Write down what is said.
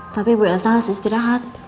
tapi bu yang salah istirahat